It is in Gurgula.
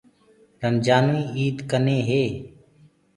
رمجآنٚوئي ايٚد ڪني هي